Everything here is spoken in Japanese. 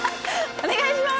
お願いします！